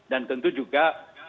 dan tentu juga